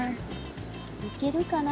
いけるかな？